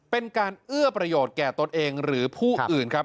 เป็นการเอื้อประโยชน์แก่ตนเองหรือผู้อื่นครับ